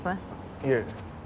いえ。